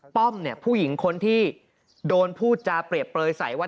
ป้อมเนี่ยผู้หญิงคนที่โดนพูดจาเปรียบเปลยใสว่า